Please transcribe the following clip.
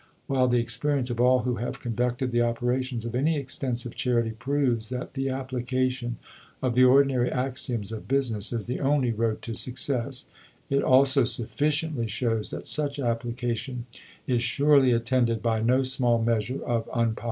While the experience of all who have conducted the operations of any extensive charity proves that the application of the ordinary axioms of business is the only road to success, it also sufficiently shows that such application is surely attended by no small measure of unpopularity."